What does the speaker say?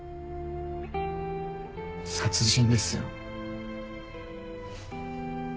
殺人ですよ。